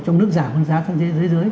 trong nước giảm hơn giá xăng dưới dưới